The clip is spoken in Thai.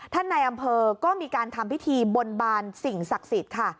ในอำเภอก็มีการทำพิธีบนบานสิ่งศักดิ์สิทธิ์ค่ะ